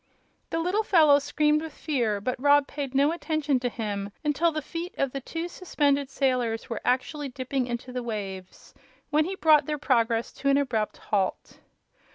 The little fellow screamed with fear, but Rob paid no attention to him until the feet of the two suspended sailors were actually dipping into the waves, when he brought their progress to an abrupt halt.